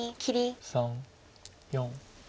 ３４。